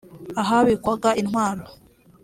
ahabikwaga intwaro